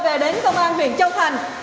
về đến công an huyện châu thành